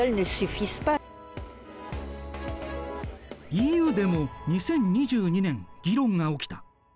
ＥＵでも２０２２年議論が起きた。